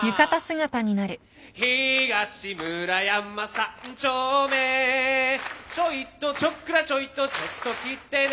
「東村山三丁目」「ちょいとちょっくらちょいとちょっと来てね」